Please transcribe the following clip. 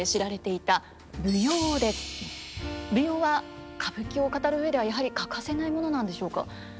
舞踊は歌舞伎を語る上ではやはり欠かせないものなんでしょうか。